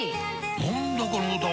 何だこの歌は！